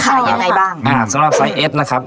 ขายยังไงบ้างอ่าสำหรับไซส์เอสนะครับครับ